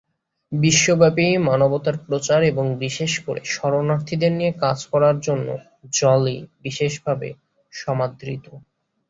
বিশ্বব্যাপী মানবতার প্রচার, এবং বিশেষ করে শরণার্থীদের নিয়ে কাজ করার জন্য জোলি বিশেষভাবে সমাদৃত।